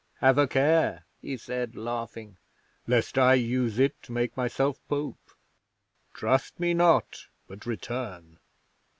Have a care," he said, laughing, "lest I use it to make myself Pope. Trust me not, but return!"'